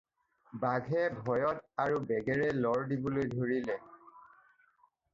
বাঘে ভয়ত আৰু বেগেৰে লৰ দিবলৈ ধৰিলে।